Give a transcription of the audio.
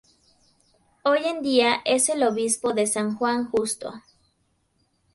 Hoy en día es el Obispo de San Justo.